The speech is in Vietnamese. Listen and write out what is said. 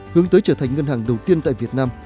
hướng tới trở thành ngân hàng đầu tiên tại việt nam